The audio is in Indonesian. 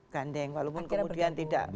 gandeng walaupun kemudian tidak